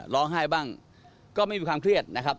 ร้องไห้บ้างก็ไม่มีความเครียดนะครับ